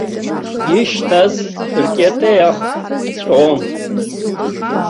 Ишьҭаз ркьатеиах ԥҵәон.